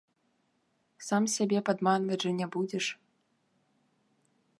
Сам сябе падманваць жа не будзеш.